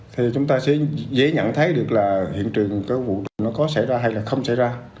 thì chúng ta sẽ dễ nhận thấy được là hiện trường cái vụ nó có xảy ra hay là không xảy ra